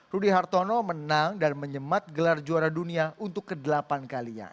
rudy hartono menang dan menyemat gelar juara dunia untuk ke delapan kalinya